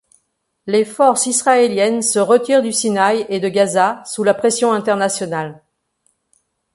Les forces israéliennes se retirent du Sinaï et de Gaza sous la pression internationale.